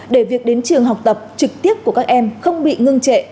để việc đến trường học tập trực tiếp của các em không bị ngưng trệ